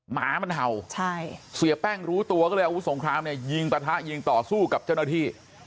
หมามันเห่าเสียแป้งรู้ตัวก็เลยอาวุธสงครามเนี่ยยิงปะทะยิงต่อสู้กับเจ้าหน้าที่